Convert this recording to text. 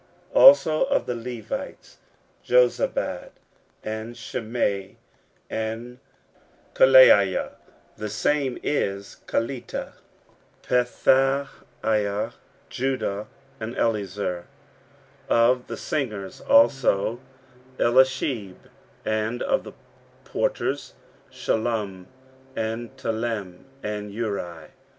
15:010:023 Also of the Levites; Jozabad, and Shimei, and Kelaiah, (the same is Kelita,) Pethahiah, Judah, and Eliezer. 15:010:024 Of the singers also; Eliashib: and of the porters; Shallum, and Telem, and Uri.